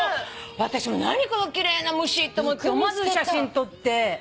私も何この奇麗な虫と思って思わず写真撮って。